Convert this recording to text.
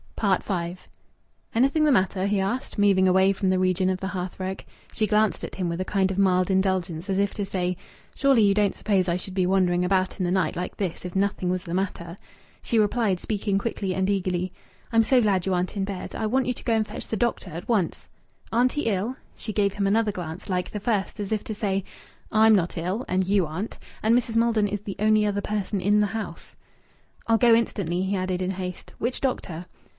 V "Anything the matter?" he asked, moving away from the region of the hearth rug. She glanced at him with a kind of mild indulgence, as if to say: "Surely you don't suppose I should be wandering about in the night like this if nothing was the matter!" She replied, speaking quickly and eagerly "I'm so glad you aren't in bed. I want you to go and fetch the doctor at once." "Auntie ill?" She gave him another glance like the first, as if to say: "I'm not ill, and you aren't. And Mrs. Maldon is the only other person in the house " "I'll go instantly," he added in haste. "Which doctor?"